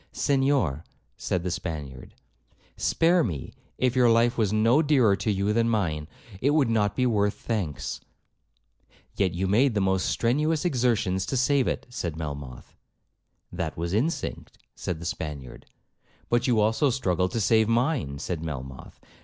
'Senhor,' said the Spaniard, 'spare me; if your life was no dearer to you than mine, it would not be worth thanks.' 'Yet you made the most strenuous exertions to save it,' said Melmoth. 'That was instinct,' said the Spaniard. 'But you also struggled to save mine,' said Melmoth.